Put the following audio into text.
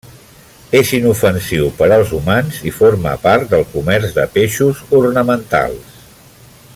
És inofensiu per als humans i forma part del comerç de peixos ornamentals.